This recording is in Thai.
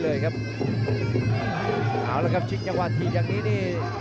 เอาละครับชิงจังหวะถีบอย่างนี้นี่